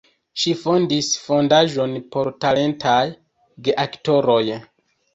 Ŝi fondis fondaĵon por talentaj geaktoroj.